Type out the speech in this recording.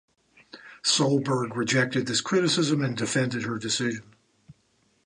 Solberg rejected this criticism and defended her decision.